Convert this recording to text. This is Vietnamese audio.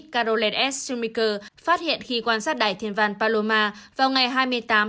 carolette s schumacher phát hiện khi quan sát đải thiên văn paloma vào ngày hai mươi tám tháng một mươi một năm một nghìn chín trăm chín mươi bốn